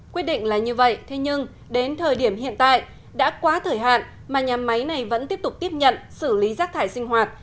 quyết định là như vậy thế nhưng đến thời điểm hiện tại đã quá thời hạn mà nhà máy này vẫn tiếp tục tiếp nhận xử lý rác thải sinh hoạt